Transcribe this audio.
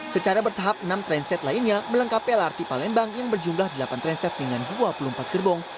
secara bertahap enam transit lainnya melengkapi lrt palembang yang berjumlah delapan transit dengan dua puluh empat gerbong